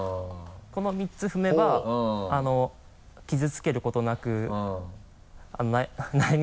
この３つ踏めば傷つけることなく悩み